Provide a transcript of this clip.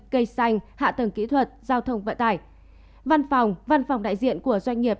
cây xanh hạ tầng kỹ thuật giao thông vận tải văn phòng văn phòng đại diện của doanh nghiệp